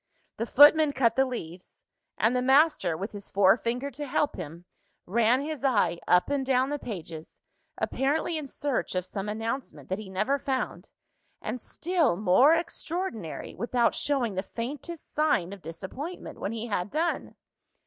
The footman cut the leaves; and the master, with his forefinger to help him, ran his eye up and down the pages; apparently in search of some announcement that he never found and, still more extraordinary, without showing the faintest sign of disappointment when he had done.